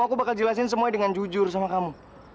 aku bakal jelasin semuanya dengan jujur sama kamu